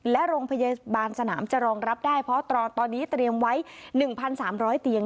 และโรงพยาบาลสนามจะรองรับได้เพราะตอนนี้เตรียมไว้๑๓๐๐เตียง